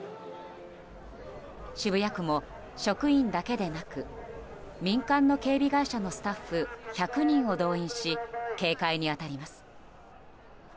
渋谷区も職員だけでなく民間の警備会社のスタッフ１００人を動員し警戒に当たります。